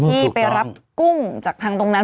ที่ไปรับกุ้งจากทางตรงนั้น